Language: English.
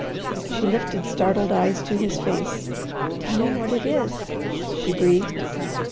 She lifted startled eyes to his face. "Tell me what it is?" she breathed.